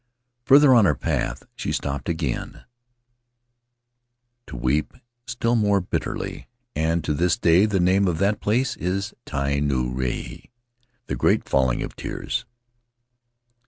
Farther on her path, she stopped again to weep still more bitterly, and to this day the name of that place is Tai Nuu Rahi (the Great Falling of Tears)